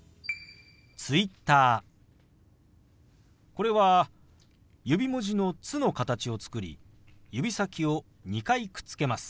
これは指文字の「つ」の形を作り指先を２回くっつけます。